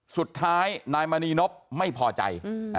สุดท้ายนายมณีนบไม่พอใจ